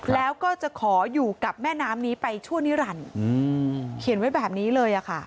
แล้วก็จะขออยู่กับแม่น้ำนี้ไปชั่วนิรันดิ์เขียนไว้แบบนี้เลยค่ะ